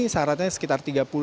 syaratnya sekitar tiga puluh